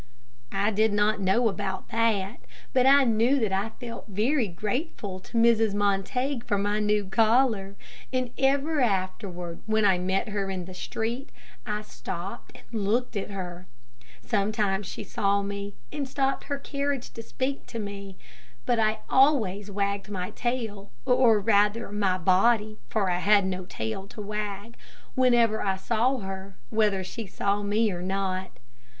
I did not know about that, but I knew that I felt very grateful to Mrs. Montague for my new collar, and ever afterward, when I met her in the street, I stopped and looked at her. Sometimes she saw me and stopped her carriage to speak to me; but I always wagged my tail, or rather my body, for I had no tail to wag, whenever I saw her, whether she saw me or not.